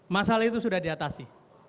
masalah itu sudah diatasi